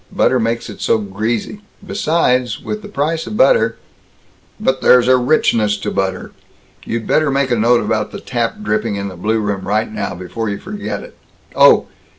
Butter makes it so greasy besides, with the price of butter " "But there's a richness to butter You'd better make a note about the tap dripping in the blue room right now, before you forget it. Oh!